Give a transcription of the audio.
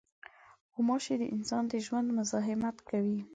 غوماشې د انسان د ژوند مزاحمت کوي.